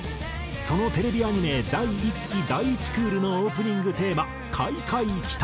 そのテレビアニメ第１期第１クールのオープニングテーマ『廻廻奇譚』。